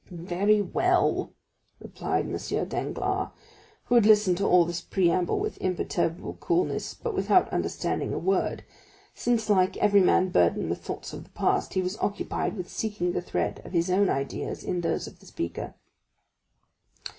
"Very well," replied M. Danglars, who had listened to all this preamble with imperturbable coolness, but without understanding a word, since like every man burdened with thoughts of the past, he was occupied with seeking the thread of his own ideas in those of the speaker.